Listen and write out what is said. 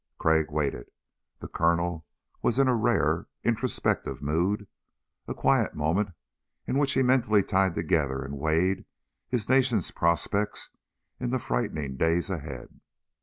Crag waited. The Colonel was in a rare introspective mood, a quiet moment in which he mentally tied together and weighed his Nation's prospects in the frightening days ahead.